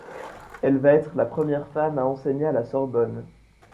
Elle va être la première femme à enseigner à la Sorbonne.